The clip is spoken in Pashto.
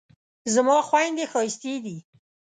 زما خویندې ښایستې دي